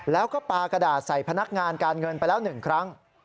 แล้วก็ปลากระดาษใส่พนักงานการเงินไปแล้ว๑ครั้ง